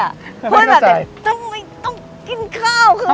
ไม่เข้าใจพูดแบบทำไมต้องกินข้าว